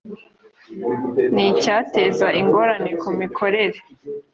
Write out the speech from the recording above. y icyateza ingorane ku mikorere